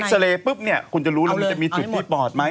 เอ็กซ์เรย์ปุ๊บเนี่ยคุณจะรู้ว่ามันจะมีจุดที่ปอดไหม